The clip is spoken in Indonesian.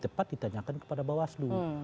tepat ditanyakan kepada bawaslu